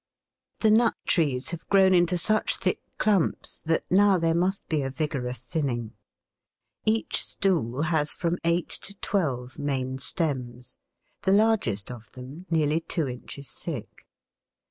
The nut trees have grown into such thick clumps that now there must be a vigorous thinning. Each stool has from eight to twelve main stems, the largest of them nearly two inches thick.